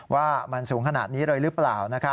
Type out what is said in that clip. ว่ามันสูงขนาดนี้เลยหรือเปล่า